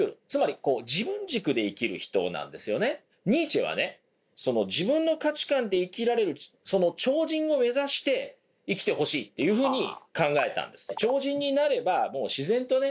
ニーチェはね自分の価値観で生きられるその超人を目指して生きてほしいというふうに考えたんです。